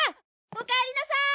おかえりなさい！